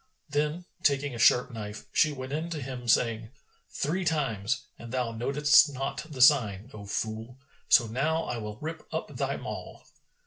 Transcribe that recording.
Then, taking a sharp knife, she went in to him, saying, "Three times, and thou notedst not the sign, O fool![FN#417] So now I will rip up thy maw."